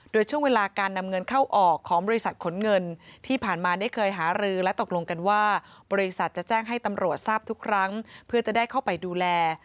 โดยช่วงเวลาการนำเงินเข้าออกของบริษัทขนเงินที่ผ่านมาได้เคยหารือและตกลงกันว่าบริษัทจะแจ้งให้ตำรวจทราบทุกครั้งเพื่อจะได้เข้าไปดูแล